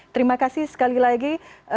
terima kasih sekali lagi